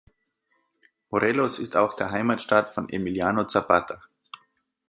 Morelos ist auch der Heimatstaat von Emiliano Zapata.